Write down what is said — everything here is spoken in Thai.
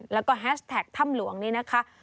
แล้วก็แฮชแท็กถ้ำหลวงนี่นะคะ